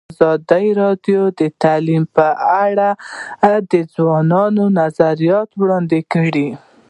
ازادي راډیو د تعلیم په اړه د ځوانانو نظریات وړاندې کړي.